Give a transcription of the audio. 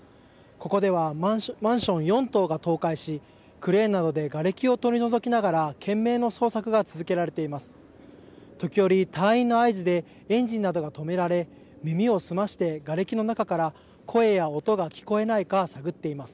ここではマンション４棟が倒壊しクレーンなどでがれきを取り除きながら懸命の捜索が続けられています。